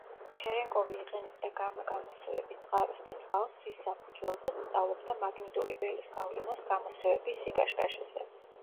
ჩერენკოვი იყენებდა გამა-გამოსხივების წყაროს და წყალს, რის საფუძველზეც სწავლობდა მაგნიტური ველის გავლენას გამოსხივების სიკაშკაშეზე.